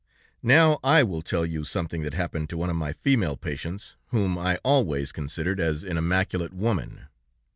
Now, I will tell you something that happened to one of my female patients, whom I always considered as an immaculate woman.